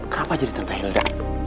kenapa jadi tante hilda